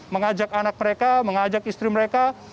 mengajak anak mereka mengajak istri mereka